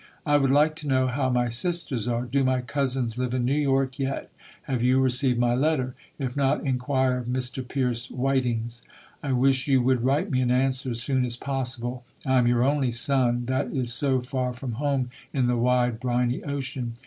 I would like to know how my sisters are. Do my cousins live in New York yet? Have you received my letter? If not, inquire of Mr. Peirce Whitings. I wish you would write me an answer as soon as possible. I am your only 218 ] UNSUNG HEROES son, that is so far from home, in the wide, briny ocean.